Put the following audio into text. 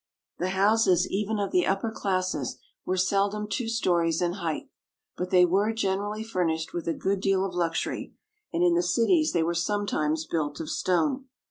The houses even of the upper classes were seldom two stories in height. But they were generally furnished with a good deal of luxury; and in the cities they were sometimes built of stone.